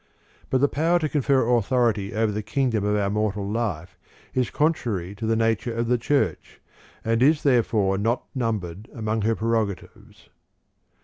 But the power to confer authority over the kingdom of our mortal life is contrary to the nature of the Church, and is therefore not numbered among her prerogatives.